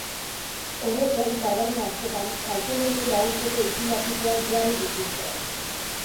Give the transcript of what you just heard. Horrez gain, taberna askotan kaltedunei laguntzeko itsulapikoak jarri dituzte.